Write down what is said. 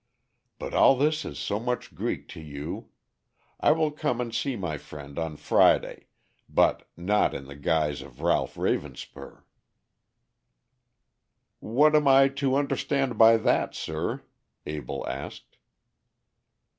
But all this is so much Greek to you. I will come and see my friend on Friday; but not in the guise of Ralph Ravenspur." "What am I to understand by that, sir?" Abell asked.